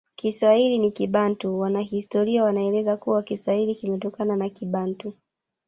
Kiswahili ni Kibantu Wanahistoria wanaeleza kuwa Kiswahili kimetokana na Kibantu